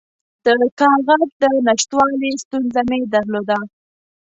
د کاغذ د نشتوالي ستونزه مې درلوده.